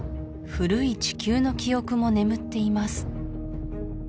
古い地球の記憶も眠っています